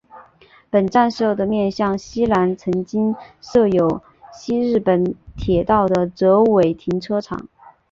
本站舍的面向的南面曾经设有西日本铁道的折尾停留场。